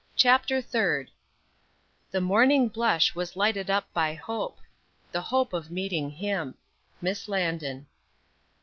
CHAPTER THIRD "The morning blush was lighted up by hope The hope of meeting him." Miss LANDON.